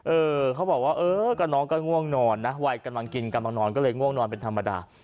เออเขาบอกว่าเออก็น้องก็ง่วงนอนนะวัยกำลังกินกำลังนอนก็เลยง่วงนอนเป็นธรรมดา